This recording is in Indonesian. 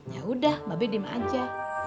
yaudah mbak abe diem aja